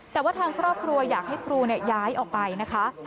แต่ว่าทางครอบครัวอยากให้ครูย้ายออกไปนะคะ